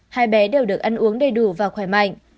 hai bé đều được ăn uống đầy đủ và khỏe mạnh